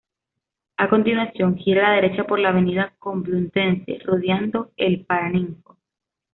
A continuación, gira a la derecha por la Avenida Complutense rodeando el Paraninfo.